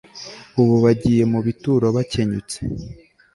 ubu bagiye mu bituro bakenyutse